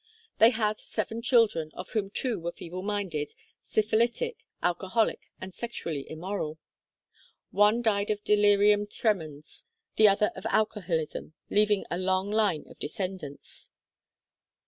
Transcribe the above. They had seven children, of whom two were feeble minded, syphilitic, alcoholic, and sexually immoral. One died of delirium tremens, the other of alcoholism, leaving a long line of descendants.